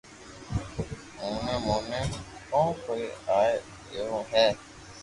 اوني موئي ڪون ڪوئي آوا ديدو ھي